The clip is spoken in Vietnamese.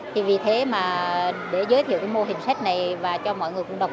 thì vì thế mà để giới thiệu cái mô hình sách này và cho mọi người cũng đọc